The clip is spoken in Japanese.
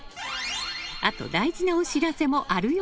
あと、大事なお知らせもあるよ